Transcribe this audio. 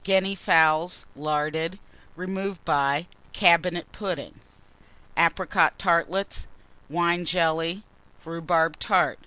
_ Guinea Fowls, larded, removed by Cabinet Pudding. Apricot Wine Jelly. Rhubarb Tartlets. Tart.